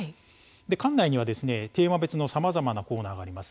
館内にはテーマ別のさまざまなコーナーがあります。